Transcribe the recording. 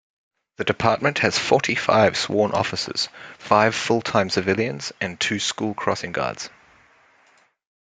The Department has forty-five sworn officers, five full-time civilians and two school crossing guards.